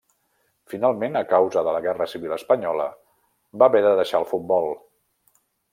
Finalment, a causa de la Guerra Civil Espanyola, va haver de deixar el futbol.